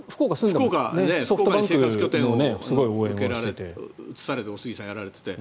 福岡に生活拠点を移されておすぎさんはやられていて。